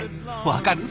分かる！